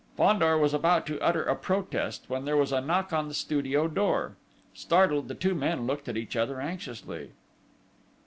Fandor was about to utter a protest, when there was a knock on the studio door. Startled, the two men looked at each other anxiously.